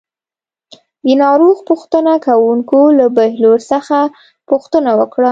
د ناروغ پوښتنه کوونکو له بهلول څخه پوښتنه وکړه.